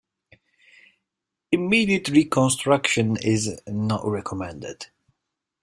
Immediate reconstruction is not recommended.